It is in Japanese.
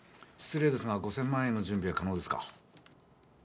失礼ですが５，０００万円の準備は可能ですか？